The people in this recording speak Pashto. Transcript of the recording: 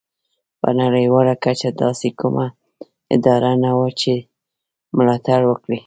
په نړیواله کچه داسې کومه اداره نه وه چې ملاتړ وکړي.